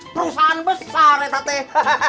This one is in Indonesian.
perusahaan besar ya teh